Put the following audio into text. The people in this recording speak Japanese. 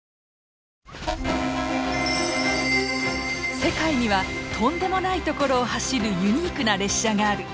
世界にはとんでもない所を走るユニークな列車がある！